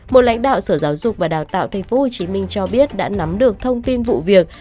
một lãnh đạo sở giáo dục và đào tạo tp hcm cho biết đã nắm được thông tin vụ việc